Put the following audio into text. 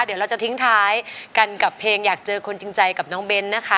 เดี๋ยวเราจะทิ้งท้ายกันกับเพลงอยากเจอคนจริงใจกับน้องเบ้นนะคะ